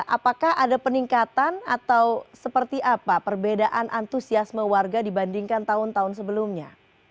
apakah ada peningkatan atau seperti apa perbedaan antusiasme warga dibandingkan tahun tahun sebelumnya